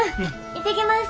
行ってきます。